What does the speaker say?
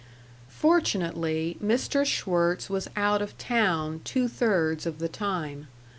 Fortunately, Mr. Schwirtz was out of town two thirds of the time.